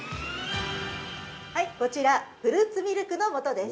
◆はい、こちら「フルーツミルクの素」です。